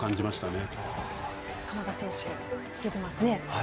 鎌田選手、出てますね。